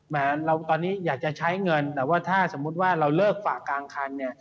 เราตอนนี้อยากจะใช้เงินแต่ว่าถ้าสมมุติว่าเราเลิกฝากกลางคันเนี่ย